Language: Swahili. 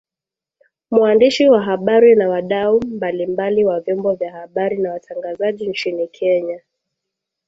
mwandishi wa habari na wadau mbalimbali wa vyombo vya habari na watangazaji nchini kenya